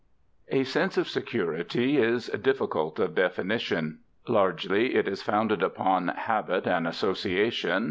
A sense of security is difficult of definition. Largely, it is founded upon habit and association.